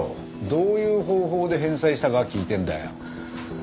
どういう方法で返済したか聞いてるんだよ。